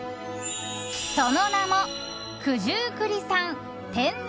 その名も九十九里産「天然」